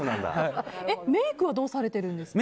メイクはどうされてるんですか？